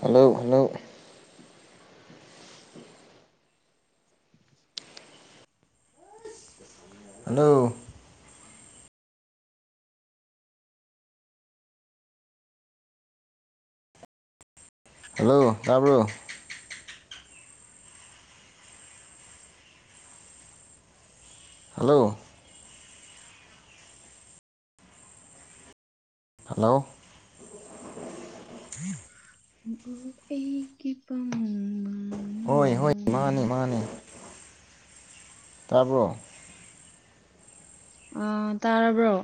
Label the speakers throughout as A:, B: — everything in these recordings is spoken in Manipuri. A: ꯍꯜꯂꯣ ꯍꯜꯂꯣ ꯍꯜꯂꯣ ꯍꯜꯂꯣ ꯇꯥꯕ꯭ꯔꯣ ꯍꯜꯂꯣ ꯍꯜꯂꯣ [unintelligible]
B: ꯑꯣ ꯑꯩꯒꯤ ꯄꯥꯃꯨꯕ
A: ꯍꯣꯏ ꯍꯣꯏ ꯃꯥꯅꯤ ꯃꯥꯅꯤ ꯇꯥꯕ꯭ꯔꯣ
B: ꯑꯥ ꯇꯥꯔꯕ꯭ꯔꯣ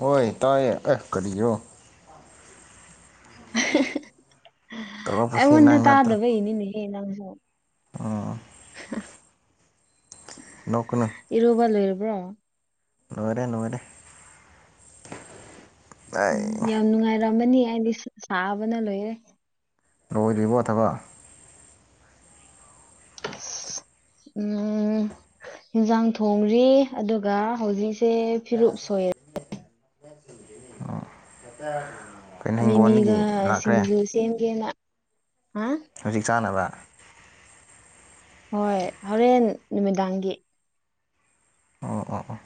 A: ꯍꯣꯏ ꯇꯥꯏꯌꯦ ꯑꯦ ꯀꯔꯤꯔꯣ
B: [unintelligible]
A: ꯇꯧꯔꯛꯄꯁꯤ
B: ꯑꯩꯉꯣꯟꯗ ꯇꯥꯗꯕꯩꯅꯤꯅꯦ ꯍꯦ ꯅꯪ
A: ꯑꯥ
B: [unintelligible] ꯏꯔꯨꯕ ꯂꯣꯏꯔꯕ꯭ꯔꯣ
A: ꯂꯣꯢꯔꯦ ꯂꯣꯢꯔꯦ [unintelligible]
B: ꯎꯝ ꯌꯥꯝ ꯅꯨꯡꯉꯥꯏꯔꯝꯃꯅꯤ ꯑꯩꯗꯤ ꯁꯥꯕꯅ ꯂꯣꯏꯔꯦ
A: ꯂꯣꯏꯗ꯭ꯔꯤꯕꯣ ꯊꯕꯛ
B: ꯑꯁ ꯎꯝ ꯍꯤꯟꯁꯥꯡ ꯊꯣꯡꯔꯤ ꯑꯗꯨꯒ ꯍꯧꯖꯤꯛꯁꯦ ꯐꯤꯔꯨꯞ ꯁꯣꯏ
A: [unintelligible] ꯍꯤꯡꯒꯣꯜꯗꯒꯤ
B: ꯃꯤꯃꯤꯒ
A: ꯂꯥꯛꯈ꯭ꯔꯦ
B: ꯁꯤꯡꯖꯨ ꯁꯦꯝꯒꯦꯅ ꯍꯥ
A: ꯍꯧꯖꯤꯛ ꯆꯥꯅꯕ
B: ꯍꯣꯏ ꯍꯣꯔꯦꯟ ꯅꯨꯃꯤꯗꯥꯡꯒꯤ
A: ꯑꯣ ꯑꯥ ꯑꯥ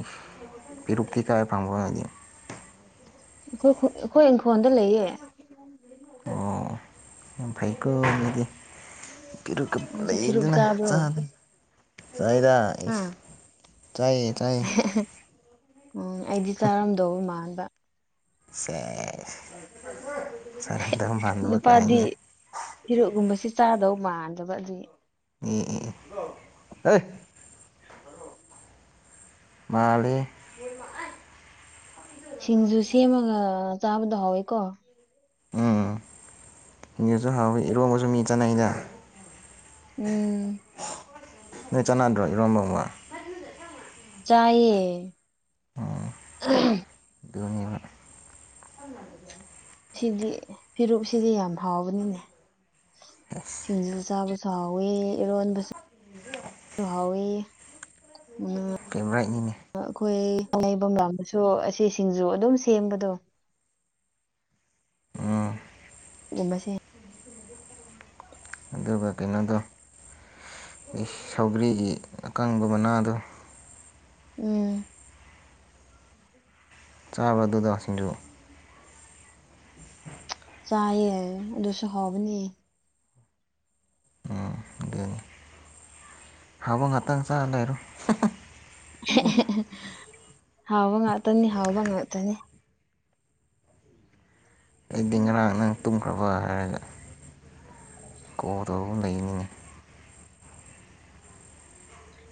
A: ꯎꯁ ꯄꯤꯔꯨꯛꯇꯤ ꯀꯥꯢꯗ [unintelligible]
B: ꯑꯩꯈꯣꯏ ꯈꯨ ꯑꯩꯈꯣꯏ ꯏꯪꯈꯣꯜꯗ ꯂꯩꯌꯦ
A: ꯑꯣ ꯌꯥꯝ ꯐꯩꯀꯣ ꯃꯤꯗꯤ ꯄꯤꯔꯨꯛꯀ
B: ꯅꯪꯁꯨ ꯐꯤꯔꯨꯞ
A: ꯂꯩꯗꯅ
B: ꯆꯥꯕ꯭ꯔꯣ
A: ꯆꯥꯕꯅꯤ ꯆꯥꯢꯗꯥ
B: ꯍꯥ
A: ꯏꯁ ꯇꯥꯏꯌꯦ ꯇꯥꯏꯌꯦ
B: ꯎꯝ ꯑꯩꯗꯤ ꯆꯥꯔꯝꯗꯧꯕ ꯃꯥꯟꯕ
A: ꯁꯦꯁ [unintelligible]
B: ꯍꯦ
A: ꯃꯥꯟꯗꯕ
B: ꯅꯨꯄꯥꯗꯤ
A: ꯀꯥꯏꯅ
B: ꯄꯤꯔꯨꯛ ꯀꯨꯝꯕꯁꯤ ꯆꯥꯗꯧ ꯃꯥꯟꯗꯕ ꯑꯗꯨꯒꯤ
A: [unintelligible] ꯃꯥꯜꯂꯤꯍꯦ [unintelligible]
B: ꯁꯤꯡꯖꯨ ꯁꯦꯝꯃꯒ ꯆꯥꯕꯗ ꯍꯥꯎꯋꯤꯀꯣ
A: ꯎꯝ [unintelligible] ꯍꯥꯎꯋꯤ ꯏꯔꯣꯡꯕꯁꯨ ꯃꯤ ꯆꯥꯅꯩꯗ
B: ꯎꯝ
A: ꯅꯣꯏ ꯆꯥꯅꯥ ꯗꯔꯣ [unintelligible]
B: ꯆꯥꯏꯌꯦ ꯑꯍꯝ
A: ꯑꯗꯨꯅꯦꯕ
B: ꯁꯤꯗꯤ ꯐꯤꯔꯨꯨꯞ ꯁꯤꯗꯤ ꯌꯥꯝ ꯍꯥꯎꯕꯅꯤꯅꯦ ꯁꯤꯡꯖꯨ ꯆꯥꯕꯁꯨ ꯍꯥꯎꯋꯦ ꯏꯔꯣꯟꯕꯁꯨ ꯍꯥꯎꯋꯦ ꯉꯥ
A: ꯐꯦꯕꯣꯔꯥꯏꯠꯅꯤꯅꯦ
B: ꯑꯩꯈꯣꯏ ꯊꯩꯐꯝ ꯂꯥꯝꯗꯁꯨ ꯑꯁꯤ ꯁꯤꯡꯖꯨ ꯑꯗꯨꯝ ꯁꯦꯝꯕꯗꯣ
A: ꯎꯝ
B: ꯁꯝꯕꯁꯦ [inaudible]
A: ꯑꯗꯨꯒ ꯁꯥꯎꯒ꯭ꯔꯤꯒꯤ ꯑꯀꯪꯕ ꯃꯅꯥꯗꯣ
B: ꯎꯝ
A: ꯆꯥꯕ꯭ꯔꯥ ꯑꯗꯨꯗꯣ ꯁꯤꯡꯖꯨ
B: ꯆꯥꯏꯌꯦ ꯑꯗꯨꯁꯨ ꯍꯧꯕꯅꯤ
A: ꯑꯗꯨꯅꯤ ꯍꯥꯎꯕ ꯉꯥꯛꯇꯪ ꯆꯥ ꯂꯩꯔꯣ
B: ꯍꯥꯎꯕ ꯉꯥꯇꯅꯤ ꯍꯥꯎꯕ ꯉꯥꯇꯅꯤ
A: ꯑꯩ ꯉꯔꯥꯡ ꯅꯪ ꯇꯨꯝꯈ꯭ꯔꯕ ꯍꯥꯏꯔꯒ ꯀꯣꯜ ꯇꯧꯔꯒ ꯂꯩꯅꯤꯅꯦ
B: [inaudible]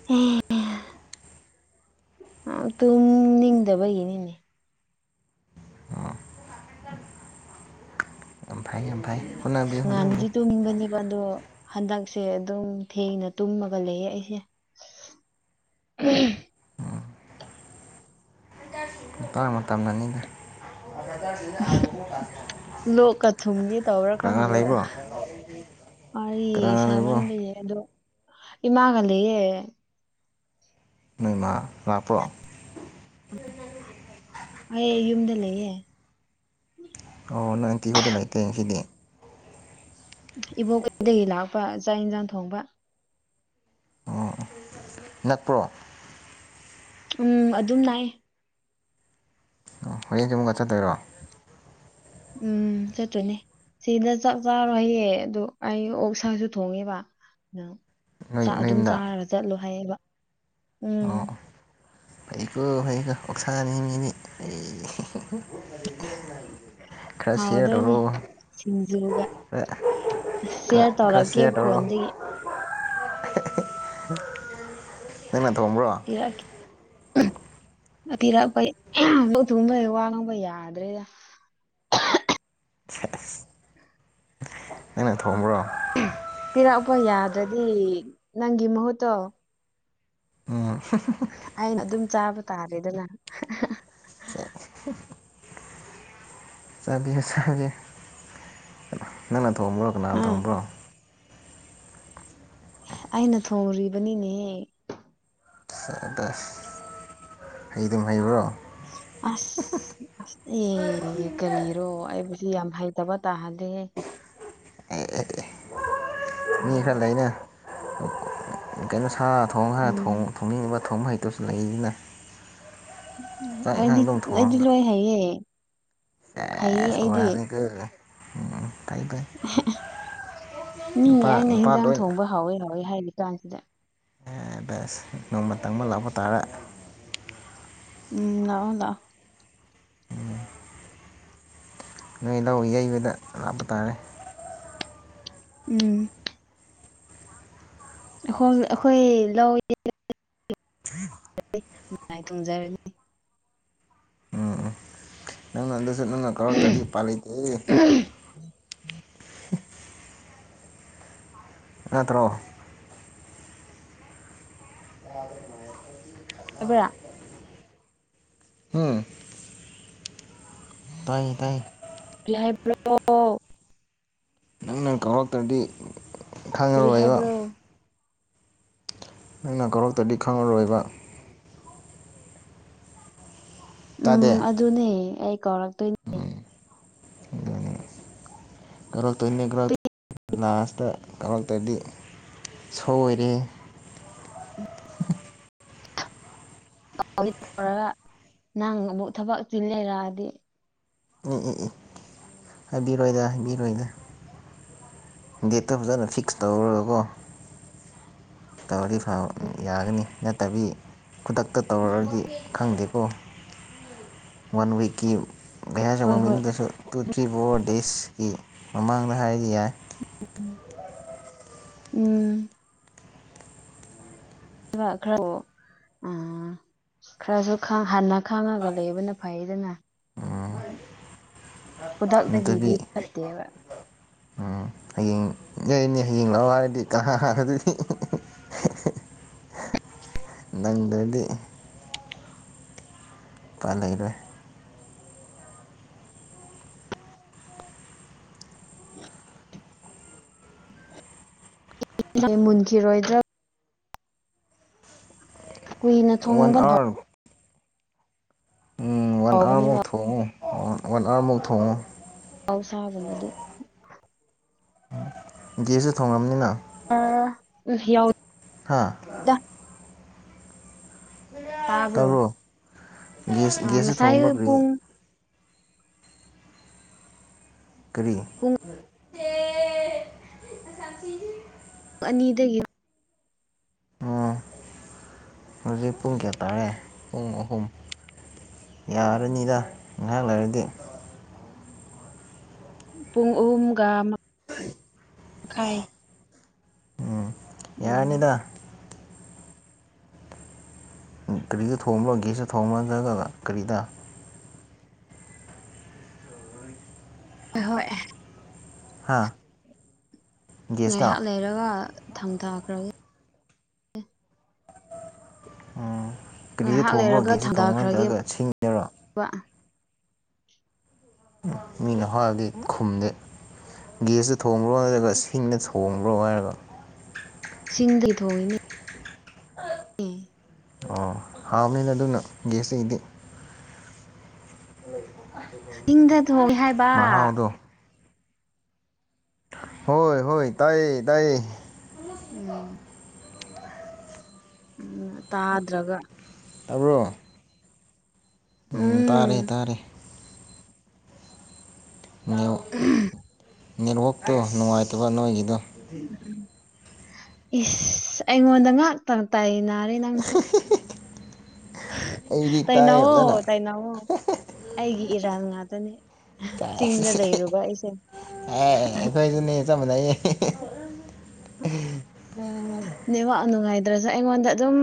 B: ꯍꯥ ꯑꯥ ꯇꯨꯝ ꯅꯤꯡꯗꯕꯒꯤꯅꯤꯅꯦ
A: ꯑꯣ ꯌꯥꯝ ꯐꯩ ꯌꯥꯝ ꯐꯩ ꯍꯣꯠꯅꯕꯤꯌꯨ ꯍꯣꯠꯅꯕꯤꯌꯨ
B: ꯉꯟꯅꯗꯤ ꯇꯨꯝꯅꯤꯡꯕꯅꯦ ꯕꯗꯣ ꯍꯟꯗꯛꯁꯦ ꯑꯗꯨꯝ ꯊꯦꯡꯅ ꯇꯨꯝꯃꯒ ꯂꯩꯌꯦ ꯑꯩꯁꯦ
A: [inaudible] ꯃꯇꯥꯡ ꯃꯇꯝꯅꯅꯤꯅꯦ
B: ꯂꯣꯛꯀ ꯊꯨꯡꯒꯦ ꯇꯧꯕ꯭ꯔꯥ
A: ꯀꯅꯥ ꯀꯅꯥ
B: ꯈꯪꯗ꯭ꯔꯦꯗ
A: ꯂꯩꯕ꯭ꯔꯣ ꯀꯅꯥ
B: ꯑꯩ
A: ꯀꯅꯥ ꯂꯩꯕ꯭ꯔꯣ
B: ꯁꯥꯃꯟꯕꯩꯒꯤ ꯑꯗꯣ ꯏꯃꯥꯒ ꯂꯩꯌꯦ
A: ꯅꯣꯏ ꯃꯥ ꯂꯥꯛꯄ꯭ꯔꯣ
B: ꯑꯩ ꯌꯨꯝꯗ ꯂꯩꯌꯦ
A: ꯅꯣ ꯑꯟꯇꯤꯍꯣꯏꯗ ꯂꯩꯇꯦ ꯉꯁꯤꯗꯤ
B: ꯏꯕꯣꯛꯍꯣꯏꯗꯒꯤ ꯂꯥꯛꯄ ꯆꯥꯛ ꯌꯦꯟꯁꯥꯡ ꯊꯣꯡꯕ
A: ꯑꯣ ꯅꯛꯄ꯭ꯔꯣ
B: ꯎꯝ ꯑꯗꯨꯝ ꯅꯥꯏ
A: ꯍꯌꯦꯡꯖꯨ ꯃꯨꯛꯀ ꯆꯠꯇꯣꯏꯔꯣ
B: ꯎꯝ ꯁꯠꯇꯣꯏꯅꯦ ꯁꯤꯗ ꯆꯛ ꯆꯥꯔꯣꯏ ꯍꯌꯦ ꯑꯗꯨ ꯑꯩ ꯑꯣꯛꯁꯥꯁꯨ ꯊꯣꯡꯉꯦꯕ
A: ꯅꯣꯏ
B: ꯑ
A: ꯅꯣꯏ
B: ꯑꯗꯨꯝ
A: ꯌꯨꯝꯗ
B: ꯆꯥꯔꯒ ꯆꯠꯂꯣ ꯍꯥꯏꯌꯦꯕ ꯎꯝ
A: ꯑꯣ ꯐꯩꯀꯣ ꯐꯩꯀꯣ ꯑꯣꯛꯁꯥꯅꯤ ꯃꯤꯅꯤ ꯈꯔ ꯁꯤꯌꯔ
B: ꯍꯥꯎꯗꯣꯏꯅꯦ
A: ꯇꯧꯔꯛ
B: ꯁꯤꯡꯖꯨꯒ
A: ꯑꯣ ꯈꯔ
B: ꯁꯤꯌꯔ
A: ꯈꯔ
B: ꯇꯧꯔꯛꯀꯦ
A: ꯁꯤꯌꯥꯔ ꯇꯧꯔꯣ
B: ꯐꯣꯟꯗꯒꯤ
A: ꯅꯪꯅ ꯊꯣꯡꯕ꯭ꯔꯣ
B: ꯀꯔꯤ ꯂꯣꯛꯄꯩ ꯊꯨꯡꯕꯩ ꯋꯥ ꯉꯥꯡꯕ ꯌꯥꯗ꯭ꯔꯦꯗ
A: [inaudible] ꯅꯪꯅ ꯊꯣꯡꯕ꯭ꯔꯣ
B: ꯄꯤꯔꯛꯄ ꯌꯥꯗ꯭ꯔꯗꯤ ꯅꯪꯒꯤ ꯃꯍꯨꯠꯇꯣ
A: ꯎꯝ
B: ꯑꯩꯅ ꯑꯗꯨꯝ ꯆꯥꯕ ꯇꯥꯔꯦꯗꯅ
A: ꯆꯕꯤꯌꯣ ꯆꯥꯕꯤꯌꯣ ꯅꯪ ꯅ ꯊꯣꯡꯕ꯭ꯔꯣ ꯀꯅꯥꯟ
B: ꯑꯥ
A: ꯊꯣꯡꯕ꯭ꯔꯣ
B: ꯑꯩꯅ ꯊꯣꯡꯨꯔꯤꯕꯅꯤꯅꯦꯍꯦ
A: ꯁꯦꯕꯁ ꯍꯩꯗꯨꯝ ꯍꯩꯕ꯭ꯔꯣ
B: ꯑꯁ ꯑꯁ ꯑꯦ ꯀꯔꯤꯔꯣ ꯑꯩꯕꯨꯗꯤ ꯌꯥꯝ ꯍꯩꯇꯕ ꯇꯥ [inaudible]
A: ꯑꯦ [unintelligible] ꯃꯤ ꯈꯔ ꯂꯩꯅ ꯀꯩꯅꯣ ꯁꯥ ꯊꯣꯡ ꯈꯔ
B: ꯎꯝ
A: ꯊꯣꯡꯅꯤꯡꯉꯤꯕ ꯊꯣꯡ ꯍꯩꯇꯁꯨ ꯂꯩꯅꯤꯅ
B: ꯑꯩꯗꯤ ꯑꯩꯗꯤ ꯂꯣꯏ ꯍꯥꯏꯌꯦ
A: [unintelligible]
B: ꯃꯤ
A: ꯅꯨꯄꯥ
B: ꯑꯩꯅ
A: ꯅꯨꯄꯥ
B: ꯍꯦꯟꯖꯥꯡ
A: ꯂꯣꯏ
B: ꯊꯣꯡꯕ ꯍꯥꯎꯋꯤ ꯍꯥꯎꯋꯤ ꯍꯥꯏꯔꯤ ꯀꯥꯟꯁꯤꯗ
A: ꯑꯁ ꯅꯣꯡꯃ ꯇꯪꯕ ꯂꯥꯛꯄ ꯇꯥꯔꯦ
B: ꯎꯝ ꯂꯥꯛꯑꯣ ꯂꯥꯛꯑꯣ
A: ꯅꯣꯏ ꯂꯧ ꯌꯩꯕꯗ ꯂꯥꯞꯄ ꯇꯥꯔꯦ
B: ꯎꯝ ꯑꯈꯣꯏ ꯑꯈꯣꯏ ꯂꯧ ꯌꯩ ꯃꯥꯏ ꯇꯨꯡꯖꯔꯅꯤ
A: ꯎꯝ ꯎꯝ ꯅꯪꯅ ꯑꯗꯨꯁꯨ ꯅꯪꯅ ꯀꯔꯛꯇ꯭ꯔꯗꯤ ꯎꯄꯥꯏ ꯂꯩꯇꯤꯍꯦ
B: [inaudible]
A: ꯅꯠꯇ꯭ꯔꯣ
B: [unintelligible]
A: ꯎꯝ ꯇꯥꯏꯌꯦ ꯇꯥꯏꯌꯦ
B: [unintelligible]
A: ꯅꯪꯅ ꯀꯧꯔꯛꯇ꯭ꯔꯗꯤ
B: ꯀꯔꯤ
A: ꯈꯪꯉꯔꯣꯏꯕ
B: ꯍꯥꯏꯕ꯭ꯔꯣ
A: ꯑꯩꯅ ꯀꯧꯔꯛꯇꯗꯤ ꯈꯪꯉꯔꯣꯏꯕ ꯇꯥꯗꯦ
B: ꯎꯝ ꯑꯗꯨꯅꯦ ꯑꯩ ꯀꯧꯔꯛꯇꯣꯏꯅꯦ
A: ꯑꯗꯨꯅꯤ ꯀꯧꯔꯛꯇꯣꯏꯅꯤ ꯀꯧꯔꯛꯇꯣꯏꯅꯤ ꯂꯥꯁꯇ ꯀꯧꯔꯛꯇ꯭ꯔꯗꯤ ꯁꯣꯏꯔꯦꯍꯦ
B: ꯇꯧꯔꯒ ꯅꯪ ꯑꯃꯨꯛ ꯊꯕꯛ ꯆꯤꯜ ꯂꯩꯔꯛꯑꯗꯤ
A: ꯏ ꯏ ꯏ ꯍꯥꯏꯕꯤꯔꯣꯏꯗ ꯍꯥꯏꯕꯤꯔꯣꯏꯗ ꯗꯦꯠꯇ ꯐꯖꯅ ꯐꯤꯛꯁ ꯇꯧꯔꯒꯀꯣ ꯇꯧꯗꯤ ꯐꯕ ꯌꯥꯒꯅꯤ ꯅꯠꯇꯕꯤ ꯈꯨꯗꯛꯇ ꯇꯧꯔꯗꯤ ꯈꯪꯗꯦꯀꯣ ꯋꯥꯟ ꯋꯤꯛꯀꯤ ꯍꯥ ꯆꯕ
B: ꯍꯣꯏ ꯍꯣꯏ
A: ꯃꯤꯗꯁꯨ ꯇꯨ ꯊ꯭ꯔꯤ ꯐꯣꯔ ꯗꯦꯖꯀꯤ ꯃꯃꯥꯡꯗ ꯍꯥꯏꯔꯗꯤ ꯌꯥꯏ
B: ꯎꯝ [unintelligible] ꯎꯝ ꯈꯔꯁꯨ ꯈꯪ ꯍꯟꯅ ꯈꯥꯡꯉꯒ ꯂꯩꯕꯅ ꯐꯩꯗꯅ ꯈꯨꯗꯛꯇꯒꯤꯗꯤ
A: ꯅꯠꯇ꯭ꯔꯗꯤ
B: ꯐꯠꯇꯦꯕ
A: ꯍꯌꯦꯡ ꯌꯥꯏꯅꯦ [unintelligible] ꯅꯪꯗ꯭ꯔꯗꯤ ꯎꯄꯥꯏ ꯂꯩꯔꯣꯏ
B: ꯃꯨꯟꯈꯤꯔꯣꯏꯗ꯭ꯔꯥ ꯀꯨꯏꯅ
A: ꯋꯥꯟ
B: ꯊꯣꯡꯕ
A: ꯑꯋꯥꯔ ꯎꯝ ꯋꯥꯟ ꯑꯋꯥꯔꯃꯨꯛ
B: ꯍꯥꯎꯕꯅꯦꯕ
A: ꯊꯣꯡꯉꯨ ꯋꯥꯟ ꯑꯋꯥꯔꯃꯨꯛ ꯊꯣꯡꯉꯨ
B: ꯃꯍꯧꯁꯥꯒꯨꯝꯕꯗꯤ
A: ꯒꯁꯇ ꯊꯣꯡꯉꯝꯅꯤꯅ
B: ꯎꯝ ꯌꯥꯎ
A: ꯍꯥꯥ
B: ꯇꯥꯕ꯭ꯔꯣ
A: ꯒ꯭ꯌꯥꯁ
B: ꯑꯥ
A: ꯒ꯭ꯌꯥꯁꯇ
B: ꯉꯁꯥꯏ
A: ꯊꯣꯡꯕ꯭ꯔꯥ ꯀꯔꯤ
B: ꯄꯨꯡ
A: ꯀꯔꯤ
B: ꯄꯨꯡ ꯄꯨꯡ ꯑꯅꯤꯗꯒꯤ
A: ꯑꯣ ꯍꯧꯖꯤꯛ ꯄꯨꯡ ꯀꯌꯥ ꯇꯔꯦ ꯌꯥꯔꯅꯤꯗ ꯉꯥꯏꯍꯥꯛ ꯂꯩꯔꯗꯤ
B: ꯄꯨꯡ ꯑꯍꯨꯝꯒ ꯃꯈꯈꯥꯏ
A: ꯌꯥꯅꯤꯗ ꯒꯥꯔꯤꯗꯣ ꯊꯣꯡꯕ꯭ꯔꯣ ꯒꯦꯁꯇ ꯊꯣꯡꯕ ꯅꯗ꯭ꯔꯒ ꯀꯔꯤꯗ
B: ꯍꯣꯏ
A: ꯍꯥꯥ
B: ꯉꯥꯏꯍꯥꯛ ꯂꯩꯔꯒ ꯊꯥꯡꯊꯈ꯭ꯔꯒꯦ
A: ꯎꯝ ꯀꯔꯤꯗ
B: ꯉꯥꯏꯍꯥꯛ
A: ꯊꯣꯡꯕ꯭ꯔꯣ
B: ꯂꯩꯔꯒ
A: ꯒꯦꯁꯇ ꯊꯣꯡꯕ꯭ꯔꯣ ꯅꯠꯇ꯭ꯔꯒ
B: ꯊꯥꯡꯊꯈ꯭ꯔꯒꯦꯕ
A: ꯁꯤꯡꯉꯗꯔꯣ ꯃꯤꯅ ꯍꯥꯏꯔꯗꯤ ꯈꯨꯝꯗꯦ ꯒꯦꯁꯇ ꯊꯣꯡꯕ꯭ꯔꯣ ꯅꯠꯇ꯭ꯔꯒ ꯁꯤꯡꯗ ꯊꯣꯡꯕ꯭ꯔꯣ ꯍꯥꯏꯔꯒ
B: ꯁꯤꯡꯗꯩ ꯊꯣꯡꯏꯅꯤ
A: ꯍꯥꯎꯅꯤꯅ ꯑꯗꯨꯅ ꯒꯦꯁꯇꯒꯤꯗꯤ
B: ꯏꯪꯗ ꯊꯣꯡꯉꯦ ꯍꯥꯏꯕ
A: ꯃꯍꯥꯎꯗꯣ ꯍꯣꯏ ꯍꯣꯏ ꯇꯥꯏꯌꯦ ꯇꯥꯏꯌꯦ
B: ꯎꯝ ꯎꯝ ꯇꯥꯗ꯭ꯔꯒ
A: ꯇꯕ꯭ꯔꯣ ꯎꯝ ꯇꯥꯔꯦ ꯇꯥꯔꯦ ꯅꯦꯠ
B: ꯎꯝ
A: ꯅꯦꯠꯋꯥꯛꯇꯣ ꯅꯨꯡꯉꯥꯏꯇꯕ ꯅꯣꯏꯒꯤꯗꯣ
B: ꯏꯁ ꯑꯩꯉꯣꯟꯗ ꯉꯥꯛꯇ ꯇꯥꯏꯅꯔꯦ ꯅꯪꯁꯨ
A: ꯑꯩꯗꯤ ꯇꯥꯏꯌꯦ
B: ꯇꯥꯏꯅꯧꯋꯣ
A: ꯐꯖꯅ
B: ꯇꯥꯏꯅꯧꯋꯣ ꯑꯩꯒꯤ ꯏꯔꯥꯟ ꯉꯥꯛꯇꯅꯦ ꯆꯤꯡꯗ
A: ꯆꯥꯏ.
B: ꯂꯩꯔꯨꯕ ꯑꯩꯁꯦ
A: ꯑꯦ ꯑꯩꯈꯣꯏꯁꯨꯅꯦ ꯆꯞ ꯃꯅꯩꯌꯦ ꯍꯦ ꯍꯦ
B: ꯅꯦꯋꯥꯛ ꯅꯨꯡꯉꯥꯏꯇ꯭ꯔꯁꯨ ꯑꯩꯉꯣꯟꯗ ꯑꯗꯨꯝ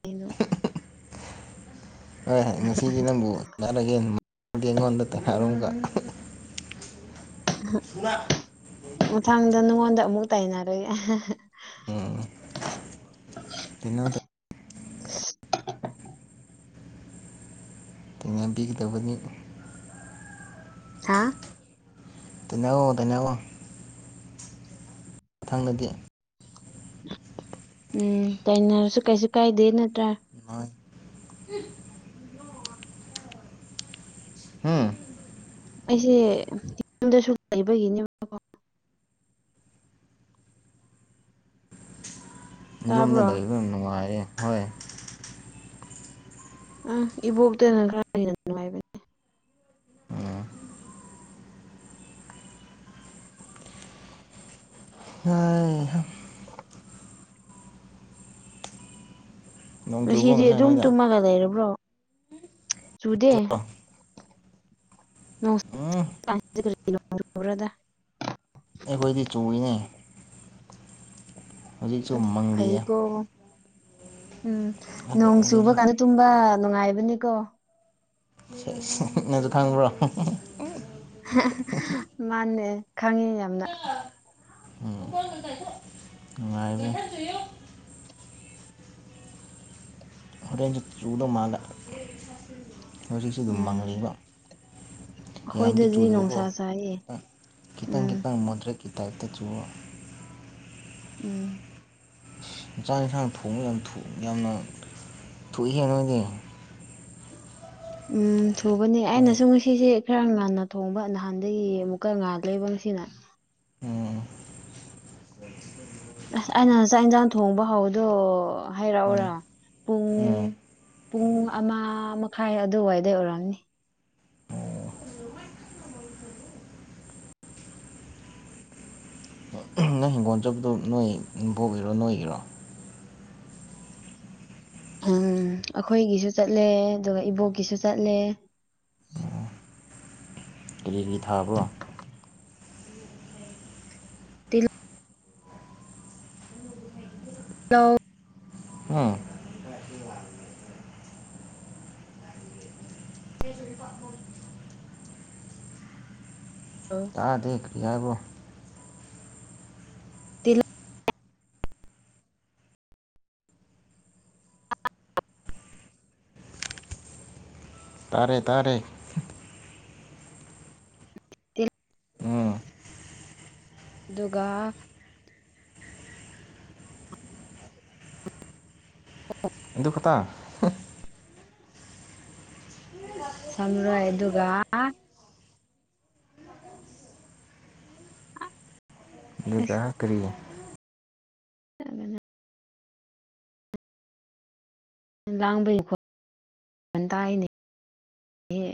B: ꯀꯩꯅꯣ
A: ꯍꯣꯏ ꯉꯁꯤꯗꯤ ꯅꯪꯕꯨ ꯆ [unintelligible] ꯐꯨꯕ
B: ꯃꯊꯪꯗ ꯅꯉꯣꯟꯗ ꯑꯃꯨꯛ ꯇꯥꯏꯅꯔꯒꯦ
A: ꯊꯦꯡꯅꯔꯨꯗꯦ ꯕꯤ ꯇꯧꯕꯅꯤ
B: ꯍꯥ
A: ꯇꯥꯏꯅꯩꯋꯣ ꯇꯥꯏꯅꯒꯣ ꯃꯊꯪꯗꯗꯤ
B: ꯎꯝ ꯇꯥꯏꯅꯔꯁꯨ ꯀꯩꯁꯨ ꯀꯥꯏꯗꯦ ꯅꯠꯇ꯭ꯔꯥ
A: ꯅꯣꯏ ꯍꯨꯝ
B: ꯑꯩꯁꯦ ꯌꯨꯝꯗꯁꯨ ꯂꯩꯕꯒꯤꯅꯦꯕꯀꯣ
A: ꯌꯨꯝꯗ
B: ꯇꯥꯕ꯭ꯔꯣ
A: ꯂꯩꯕ ꯅꯨꯡꯉꯥꯏꯔꯦ ꯍꯣꯏ
B: ꯎꯝ ꯏꯕꯣꯛꯇꯅ ꯈꯔ ꯍꯦꯟꯅ ꯅꯨꯡꯉꯥꯏꯕꯅꯦ [inaudible]
A: ꯅꯣꯡ ꯆꯨꯕ꯭ꯔꯣ
B: ꯉꯁꯤꯗꯤ
A: ꯉꯁꯥꯏ
B: ꯑꯗꯨꯝ
A: ꯅꯣꯏꯗ
B: ꯇꯨꯝꯃꯒ ꯂꯩꯔꯕ꯭ꯔꯣ ꯆꯨꯗꯦ
A: ꯎꯝ
B: [unintelligible]
A: ꯑꯩꯈꯣꯏꯗꯤ ꯆꯨꯏꯎꯅꯦ ꯍꯧꯖꯤꯛꯁꯨ ꯃꯡꯂꯤꯌꯦ
B: ꯐꯩꯀꯣ ꯎꯝ ꯅꯣꯡ ꯆꯨꯕ
A: ꯍꯧꯖꯤꯛꯁꯨ
B: ꯀꯥꯟꯗ ꯇꯨꯝꯕ ꯅꯨꯡꯉꯥꯏꯕꯅꯤꯀꯣ
A: ꯅꯁꯨ ꯈꯪꯕ꯭ꯔꯣ
B: ꯃꯥꯅꯦ ꯈꯪꯉꯤ ꯌꯥꯝꯅ
A: ꯎꯝ ꯅꯨꯡꯉꯥꯏꯕꯅꯦ ꯑꯣ ꯃꯥꯒ ꯍꯧꯖꯤꯛꯁꯤ ꯑꯗꯨꯝ
B: ꯎꯝ
A: ꯃꯡꯍꯜꯂꯤꯕ ꯌꯥꯝꯗꯤ
B: ꯑꯩꯈꯣꯏꯗꯗꯤ ꯅꯨꯡꯁꯥ
A: ꯆꯨꯗꯕꯀꯣꯈꯤ
B: ꯁꯥꯏꯌꯦ
A: ꯈꯤꯇꯪ
B: ꯎꯝ
A: ꯈꯤꯇꯪ ꯃꯣꯗ꯭ꯔꯦ ꯒꯤ ꯇꯥꯏꯞꯇ ꯆꯨꯕ
B: ꯎꯝ
A: ꯏꯟꯁꯥꯡ ꯏꯟꯁꯥꯡ ꯊꯣꯡꯕ ꯌꯥꯝ ꯊꯨ ꯌꯥꯝꯅ ꯊꯨꯏꯍꯦ ꯅꯣꯏꯗꯤ
B: ꯎꯝ ꯊꯨꯕꯅꯦ
A: ꯄꯨꯡ
B: ꯑꯩꯅꯁꯨ ꯉꯁꯤꯁꯦ ꯈꯔ ꯉꯟꯅ ꯊꯣꯡꯕ ꯅꯍꯥꯟꯗꯒꯤ ꯑꯃꯨꯛꯀ ꯉꯥ ꯂꯩꯕ ꯉꯁꯤꯅ
A: ꯎꯝ
B: ꯑꯁ ꯑꯩꯅ ꯆꯥꯛ ꯌꯦꯟꯁꯥꯡ ꯊꯣꯡꯕ ꯍꯧꯕꯗꯣ
A: ꯎꯝ
B: ꯍꯥꯏꯔꯛꯎꯔꯥ ꯄꯨꯡ
A: ꯎꯝ
B: ꯄꯨꯡ ꯑꯃ ꯃꯈꯥꯏ ꯑꯗꯨꯋꯥꯏꯗꯩ ꯑꯣꯏꯔꯑꯝꯅꯤ
A: ꯅꯪ ꯍꯤꯡꯒꯣꯜ ꯆꯠꯄꯗꯣ ꯅꯣꯏ ꯏꯕꯦꯛꯀꯤꯔꯣ ꯅꯣꯏꯒꯤꯔꯣ
B: ꯎꯝ ꯑꯩꯈꯣꯏꯒꯤꯁꯨ ꯆꯠꯂꯦ ꯑꯗꯨꯒ ꯏꯕꯣꯛꯀꯤꯁꯨ ꯆꯠꯂꯦ
A: ꯑꯣ ꯇꯤꯚꯤ ꯊꯥꯕꯣ
B: ꯇꯤꯜ ꯍꯜꯂꯣ
A: ꯍꯥ ꯇꯥꯗꯦ ꯀꯔꯤ ꯍꯥꯏꯕ꯭ꯔꯣ
B: ꯇꯤꯂ
A: ꯇꯥꯔꯦ ꯇꯥꯔꯦ
B: ꯇꯦꯟ
A: ꯎꯝ
B: ꯑꯗꯨꯒ
A: ꯑꯗꯨꯈꯛꯇ
B: ꯁꯡꯔꯣꯏ ꯑꯗꯨꯒ ꯑꯁ
A: ꯑꯗꯨꯒ ꯀꯔꯤ
B: [unintelligible] ꯂꯥꯡꯕꯩ ꯈꯣꯟ ꯇꯥꯏꯅꯦ ꯑꯦ